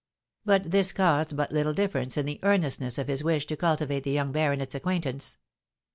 But this caused but little difference in the earnestness of his wish to cultivate the young WHIST VEKSTJS LOVE. 277 baronet's acquaintance.